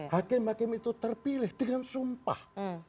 hakem hakem itu terpilih dengan sumpah